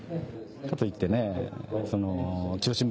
かといってね。